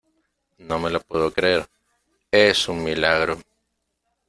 no me lo puedo creer. es un milagro .